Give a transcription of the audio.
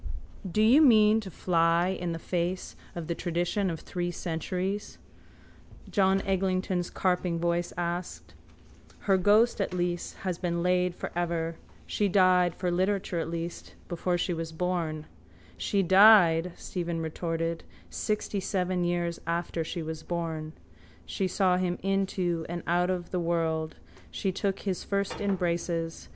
—Do you mean to fly in the face of the tradition of three centuries? John Eglinton's carping voice asked. Her ghost at least has been laid for ever. She died, for literature at least, before she was born. —She died, Stephen retorted, sixtyseven years after she was born. She saw him into and out of the world. She took his first embraces.